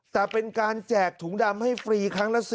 แต่เป็นการแจกถุงดำให้ฟรีครั้งละ๑๐